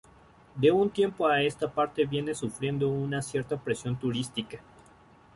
De un tiempo a esta parte viene sufriendo una cierta presión turística.